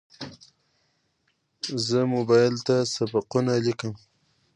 زه موبایل ته سبقونه لیکم.